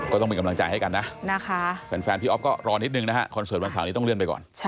ก็ต้องเป็นกำลังใจให้กันนะนะคะแฟนพี่อ๊อฟก็รอนิดนึงนะฮะคอนเสิร์ตวันเสาร์นี้ต้องเลื่อนไปก่อน